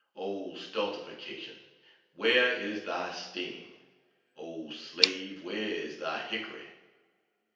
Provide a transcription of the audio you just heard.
O Stultification, where is thy sting, O slave where is thy hickory!